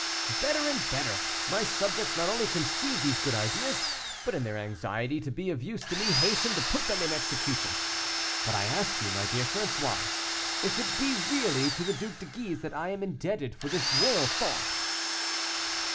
"Better and better; my subjects not only conceive these good ideas, but, in their anxiety to be of use to me, hasten to put them in execution. But I ask you, my dear François, if it be really to the Duc de Guise that I am indebted for this royal thought?"